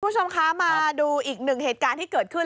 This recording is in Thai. คุณผู้ชมคะมาดูอีกหนึ่งเหตุการณ์ที่เกิดขึ้น